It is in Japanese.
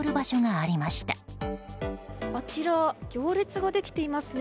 あちら行列ができていますね。